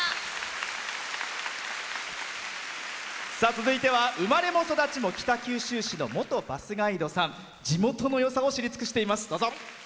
続いては生まれも育ちも北九州市の元バスガイドさん地元のよさを知り尽くしています。